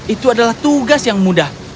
itu adalah tugas yang mudah